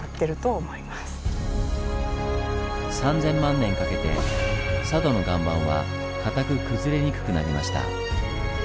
３０００万年かけて佐渡の岩盤はかたく崩れにくくなりました。